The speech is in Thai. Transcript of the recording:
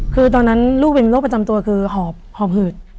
คือตอนนั้นลูกเป็นโรคประจำตัวคือหอบหืด